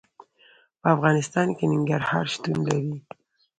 په افغانستان کې ننګرهار شتون لري.